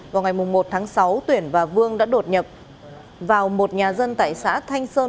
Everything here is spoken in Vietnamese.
vào ngày một tháng sáu tuyển và vương đã đột nhập vào một nhà dân tại xã thanh sơn